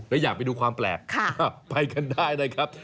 แล้วอยากไปดูความแปลกไปกันได้นะครับ